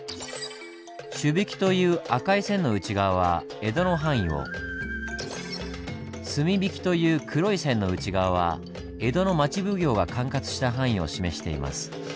「朱引」という朱い線の内側は江戸の範囲を「墨引」という黒い線の内側は江戸の町奉行が管轄した範囲を示しています。